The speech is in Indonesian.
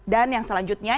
dan yang selanjutnya